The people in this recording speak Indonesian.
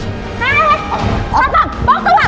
hei hampir hampir